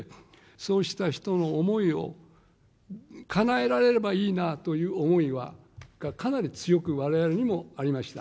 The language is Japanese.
そうした人の思いをかなえられればいいなという思いはかなり強くわれわれにもありました。